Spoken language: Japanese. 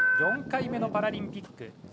４回目のパラリンピック。